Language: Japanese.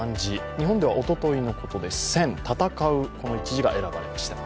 日本ではおとといのことで「戦」が選ばれました。